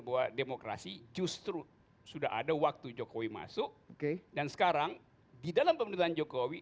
bahwa demokrasi justru sudah ada waktu jokowi masuk dan sekarang di dalam pemerintahan jokowi